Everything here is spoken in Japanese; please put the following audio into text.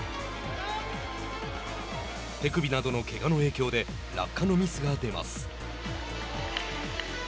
手首などのけがの影響で落下のミスが出ます。